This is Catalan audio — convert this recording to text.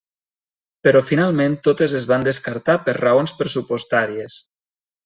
Però finalment totes es van descartar per raons pressupostàries.